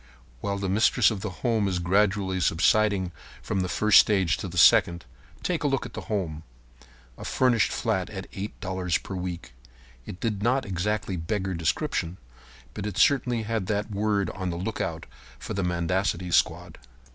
While the mistress of the home is gradually subsiding from the first stage to the second, take a look at the home. A furnished flat at $8 per week. It did not exactly beggar description, but it certainly had that word on the lookout for the mendicancy squad.